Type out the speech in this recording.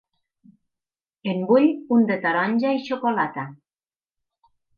En vull un de taronja i xocolata.